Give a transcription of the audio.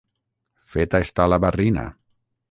Feta està la barrina.